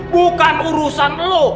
bukan urusan lu